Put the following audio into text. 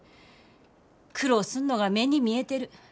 苦労すんのが目に見えてる。